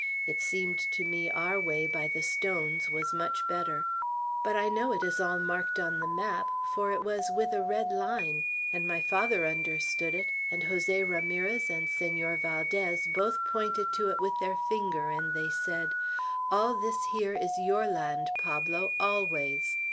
It seemed to me our way, by the stones, was much better. But I know it is all marked on the map, for it was with a red line; and my father understood it, and Jose Ramirez and Senor Valdez both pointed to it with their finger, and they said, 'All this here is your land, Pablo, always.'